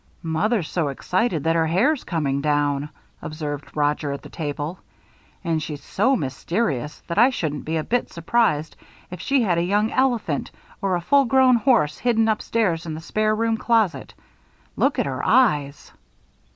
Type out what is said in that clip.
"Mother's so excited that her hair's coming down," observed Roger, at the table. "And she's so mysterious that I shouldn't be a bit surprised if she had a young elephant or a full grown horse hidden upstairs in the spare room closet. Look at her eyes."